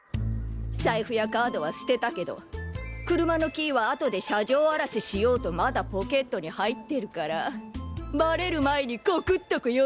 財布やカードは捨てたけど車のキーはあとで車上荒らししようとまだポケットに入ってるからバレる前に告っとくよ！